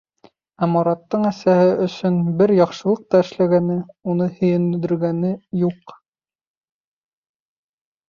Ә Мараттың әсәһе өсөн бер яҡшылыҡ та эшләгәне, уны һөйөндөргәне юҡ.